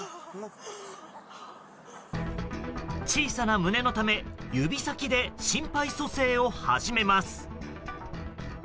小さな胸のため指先で心肺蘇生を始めます。